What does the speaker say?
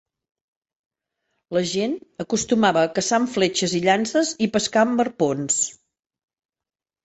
La gent acostumava a caçar amb fletxes i llances i pescar amb arpons.